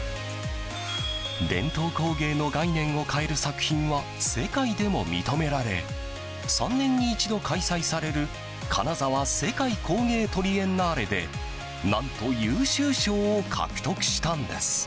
伝統工芸の概念を変える作品は世界でも認められ３年に一度開催される金沢・世界工芸トリエンナーレで何と優秀賞を獲得したのです。